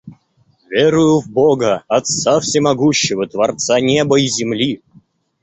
Верую в Бога, Отца всемогущего, Творца неба и земли.